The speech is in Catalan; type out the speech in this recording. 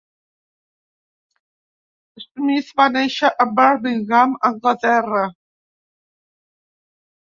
Smith va néixer a Birmingham, Anglaterra.